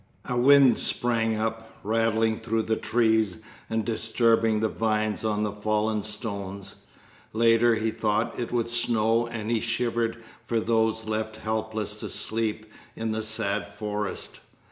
A wind sprang up, rattling through the trees and disturbing the vines on the fallen stones. Later, he thought, it would snow, and he shivered for those left helpless to sleep in the sad forest.